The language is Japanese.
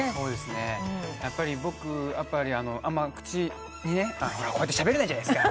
やっぱり僕、あまり、口、ほら、こうやってしゃべれないじゃないですか、